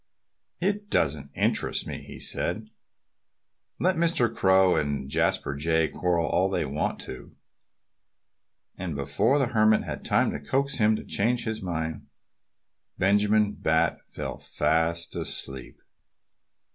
"It doesn't interest me," he said. "Let Mr. Crow and Jasper Jay quarrel all they want to!" And before the Hermit had time to coax him to change his mind, Benjamin Bat fell fast asleep.